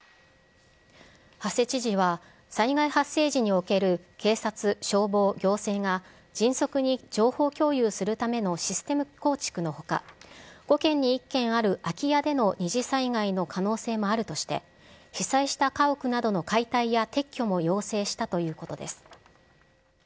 馳知事は、災害発生時における警察、消防、行政が、迅速に情報共有するためのシステム構築のほか、５軒に１軒ある空き家での二次災害の可能性もあるとして、被災した家屋などの解体や撤去も要請したということです。